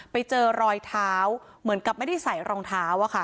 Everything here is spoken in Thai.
ไปเจอรอยเท้าเหมือนกับไม่ได้ใส่รองเท้า